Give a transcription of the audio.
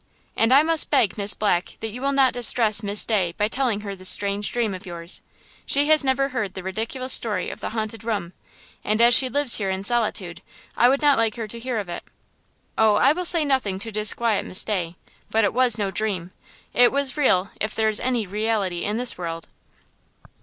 And I must beg, Miss Black, that you will not distress Miss Day by telling her this strange dream of yours. She has never heard the ridiculous story of the haunted room, and, as she lives here in solitude, I would not like her to hear of it." "Oh, I will say nothing to disquiet Miss Day; but it was no dream. It was real, if there is any reality in this world."